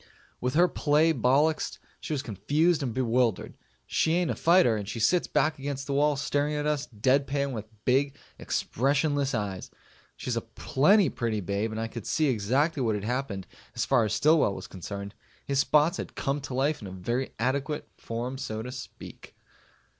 With her play bollixed, she was confused and bewildered. She ain't a fighter, and she sits back against the wall staring at us dead pan with big expressionless eyes. She's a plenty pretty babe and I could see exactly what had happened as far as Stillwell was concerned. His spots had come to life in very adequate form so to speak.